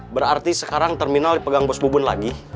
berarti sekarang terminal dipegang bus bubun lagi